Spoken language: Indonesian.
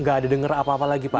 nggak ada dengar apa apa lagi pak